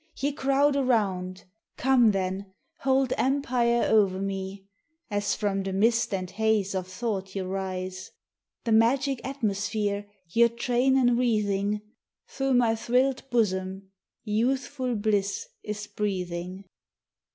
Ye crowd around! come, then, hold empire o'er me, As from the mist and haze of thought ye rise; The magic atmosphere, your train enwreathing, Through my thrilled bosom youthful bliss is breathing.